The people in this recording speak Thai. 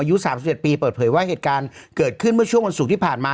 อายุ๓๗ปีเปิดเผยว่าเหตุการณ์เกิดขึ้นเมื่อช่วงวันศุกร์ที่ผ่านมา